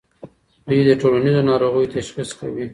دوی د ټولنیزو ناروغیو تشخیص کوي.